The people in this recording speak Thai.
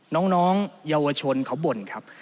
น้องเยาวชนเขาบ่นครับ